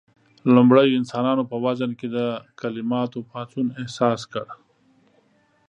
لومړيو انسانانو په وزن کې د کليماتو پاڅون احساس کړ.